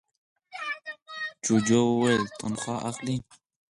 جوجو وویل تنخوا اخلې؟